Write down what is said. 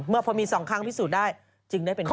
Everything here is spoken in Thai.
เมื่อพอมี๒ครั้งที่พิสูจน์ได้จึงได้เป็นเซนทร์